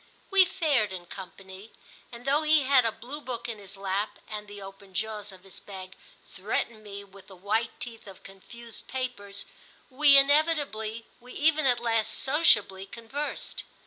We fared in company, and though he had a blue book in his lap and the open jaws of his bag threatened me with the white teeth of confused papers, we inevitably, we even at last sociably conversed.